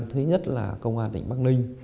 thứ nhất là công an tỉnh bắc ninh